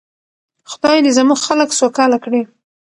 خدای دې زموږ خلک سوکاله کړي.